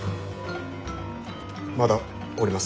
まだおります。